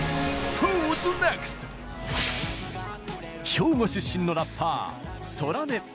兵庫出身のラッパー・空音。